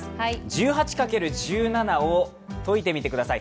１８×１７を解いてみてください。